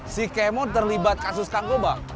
si kemon terlibat kasus kangkobak